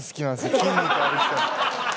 筋肉ある人。